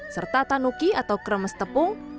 serta tanuki atau kremes tepung